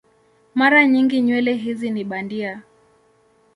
Mara nyingi nywele hizi ni bandia.